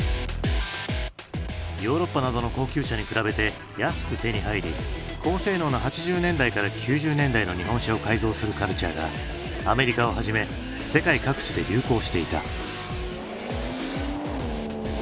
ヨーロッパなどの高級車に比べて安く手に入り高性能な８０年代から９０年代の日本車を改造するカルチャーがアメリカをはじめ世界各地で流行していた。